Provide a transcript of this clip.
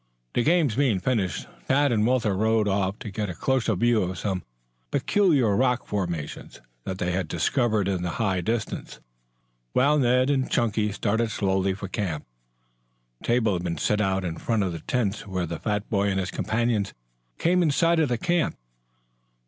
The games being finished, Tad and Walter rode off to get a closer view of some peculiar rock formations that they had discovered in the high distance, while Ned and Chunky started slowly for the camp. The table had been set out in front of the tents when the fat boy and his companion came in sight of the camp.